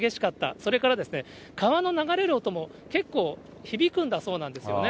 それから川の流れる音も結構響くんだそうなんですよね。